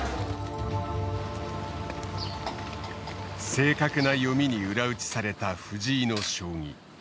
正確な読みに裏打ちされた藤井の将棋。